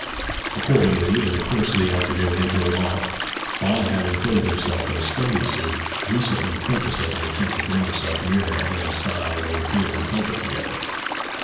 Accordingly, in the course of the afternoon they drove off, Bob having clothed himself in a splendid suit, recently purchased as an attempt to bring himself nearer to Anne's style when they appeared in public together.